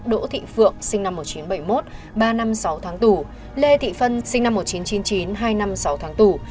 đỗ thị phượng sinh năm một nghìn chín trăm bảy mươi một ba năm sáu tháng tù lê thị phân sinh năm một nghìn chín trăm chín mươi chín hai năm sáu tháng tù